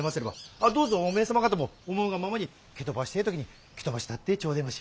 あっどうぞおめえ様方も思うがままに蹴飛ばしてえ時に蹴飛ばしたってちょでまし！